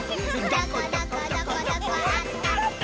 「どこどこどこどこあったった」